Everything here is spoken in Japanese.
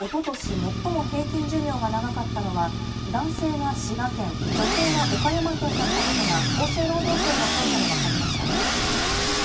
最も平均寿命が長かったのは、男性が滋賀県、女性は岡山県だったことが厚生労働省の調査で分かりました。